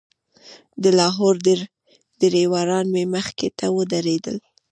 د لاهور ډریوران مې مخې ته ودرېدل.